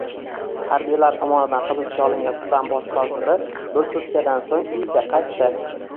Harbiylar tomonidan hibsga olingan Sudan bosh vaziri bir sutkadan so‘ng uyiga qaytdi